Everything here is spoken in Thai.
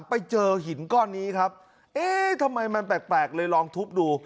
ไปเจอหินก้อนนี้ครับเอ๊ะทำไมมันแปลกเลยลองทุบดู